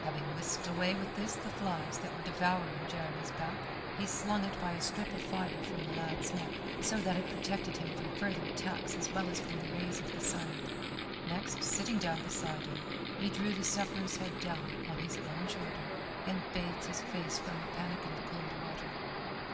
Having whisked away with this the flies that were devouring Jeremy's back, he slung it by a strip of fibre from the lad's neck, so that it protected him from further attacks as well as from the rays of the sun. Next, sitting down beside him, he drew the sufferer's head down on his own shoulder, and bathed his face from a pannikin of cold water.